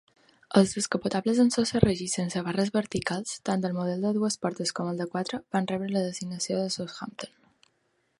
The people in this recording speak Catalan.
Els descapotables amb sostre rígid sense barres verticals , tant el model de dues portes com el de quatre, van rebre la designació de Southampton.